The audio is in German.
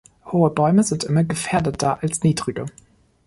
Hohe Bäume sind immer gefährdeter als niedrige.